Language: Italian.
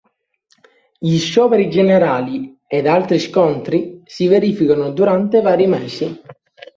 Gli scioperi generali ed altri scontri si verificano durante vari mesi.